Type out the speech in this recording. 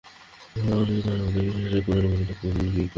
অনেকের ধারণা মতে, এই বিশরই কুরআনে বর্ণিত যুল-কিফল।